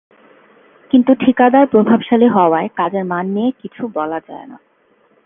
কিন্তু ঠিকাদার প্রভাবশালী হওয়ায় কাজের মান নিয়ে কিছু বলা যায় না।